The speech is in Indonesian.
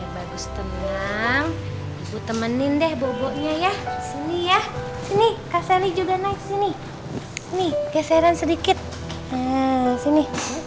bagus tenang temenin deh bobo nya ya sini ya sini kasih juga naik sini nih geseran sedikit sini